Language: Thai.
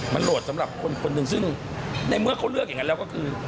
มันโหลดสำหรับคนคนหนึ่งซึ่งในเมื่อเขาเลือกอย่างนั้นแล้วก็คือ